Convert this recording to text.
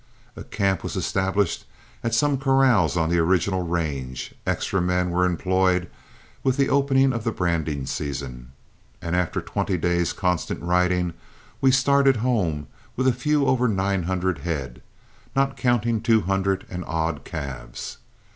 A camp was established at some corrals on the original range, extra men were employed with the opening of the branding season, and after twenty days' constant riding we started home with a few over nine hundred head, not counting two hundred and odd calves.